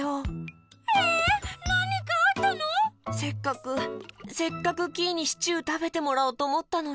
せっかくせっかくキイにシチューたべてもらおうとおもったのに。